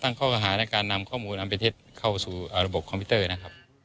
ตั้งข้อการอาหารในการนำข้อมูลอัมเภทเข้าสู่ระบบคอมพิวเตอร์นะครับ